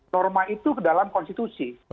norma itu ke dalam konstitusi